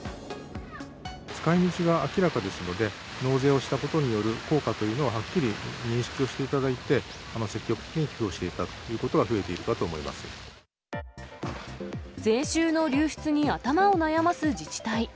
使いみちが明らかですので、納税をしたことによる効果というのをはっきり認識をしていただいて、積極的に寄付をしていただくということが増えているかと思います。